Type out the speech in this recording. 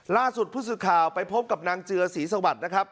ล่าสุดผู้สื่อข่าวไปพบกับนางเจือศรีสวัสดิ์นะครับ